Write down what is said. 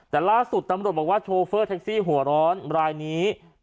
แต่ล่าสุดตำรวจบอกว่าโชเฟอร์แท็กซี่หัวร้อนรายนี้